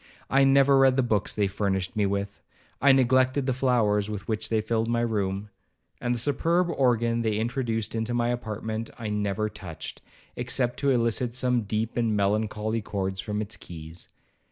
I never read the books they furnished me with,—I neglected the flowers with which they filled my room,—and the superb organ they introduced into my apartment, I never touched, except to elicit some deep and melancholy chords from its keys.